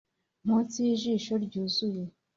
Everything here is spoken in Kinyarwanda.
munsi y'ijisho ryuzuye,